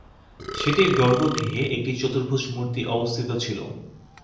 সেটির গর্ভগৃহে একটি চতুর্ভূজ মূর্তি অবস্থিত ছিল।